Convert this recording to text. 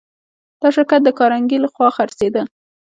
دا شرکت د کارنګي لهخوا خرڅېده